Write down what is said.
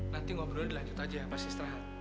nanti ngobrol di lanjut aja pas istirahat